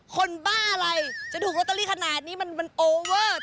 บ้าอะไรจะถูกลอตเตอรี่ขนาดนี้มันโอเวอร์